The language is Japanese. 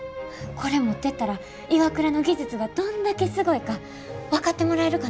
これ持ってったらＩＷＡＫＵＲＡの技術がどんだけすごいか分かってもらえるかな思て。